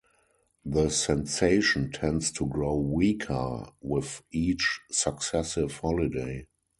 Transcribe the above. The sensation tends to grow weaker with each successive holiday.